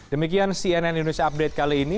demikian cnn indonesia update kali ini